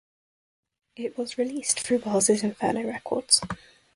It was released through Wells' Inferno Records.